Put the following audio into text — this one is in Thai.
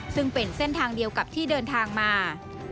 ซึ่งเป็นเส้นทางเดียวกับที่เดินทางมา